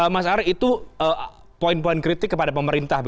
mas ari itu poin poin kritik kepada pemerintah